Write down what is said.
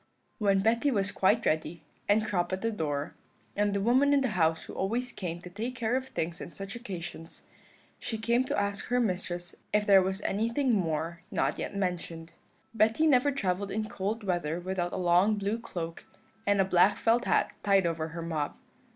"When Betty was quite ready, and Crop at the door, and the woman in the house who always came to take care of things on such occasions, she came to ask her mistress if there was anything more not yet mentioned. "Betty never travelled in cold weather without a long blue cloak, and a black felt hat tied over her mob.